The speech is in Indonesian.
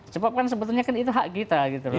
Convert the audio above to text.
sebab kan sebetulnya itu hak kita gitu